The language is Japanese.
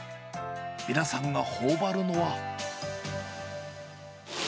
皆さんがほおばるのは。